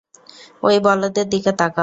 ওই বলদের দিকে তাকাও।